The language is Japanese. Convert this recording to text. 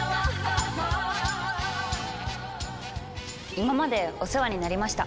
今までお世話になりました。